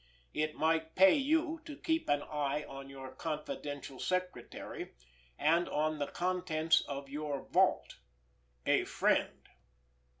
It might pay you to keep an eye on your confidential secretary—and on the contents of your vault. A Friend.